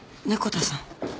猫田さん？